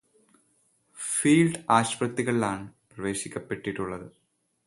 Field ആശുപത്രികളിലാണ് പ്രവേശിപ്പിക്കപ്പെട്ടിട്ടുള്ളത്.